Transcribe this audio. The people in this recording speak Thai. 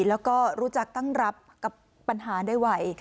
แล้วก็รู้จักตั้งรับกับปัญหาได้ไว